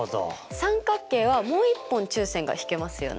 三角形はもう一本中線が引けますよね。